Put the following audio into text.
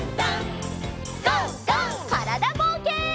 からだぼうけん。